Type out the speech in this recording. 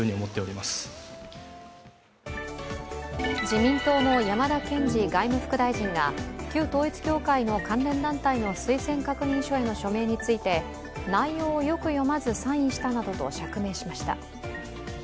自民党の山田賢司外務副大臣が旧統一教会の関連団体の推薦確認書への署名について内容をよく読まずサインしたなどと釈明しました。